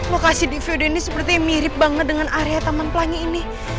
lokasi di vod ini mirip banget dengan area taman pelangi ini